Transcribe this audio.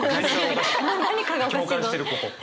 共感してるここ。